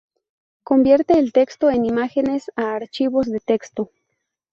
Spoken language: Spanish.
Convierte el texto en imágenes a archivos de texto.